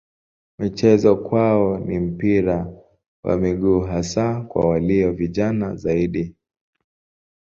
Michezo kwao ni mpira wa miguu hasa kwa walio vijana zaidi.